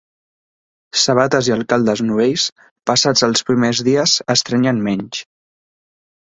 Sabates i alcaldes novells, passats els primers dies estrenyen menys.